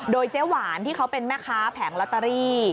โดยเจ๊หวานที่เขาเป็นแม่ค้าแผงลอตเตอรี่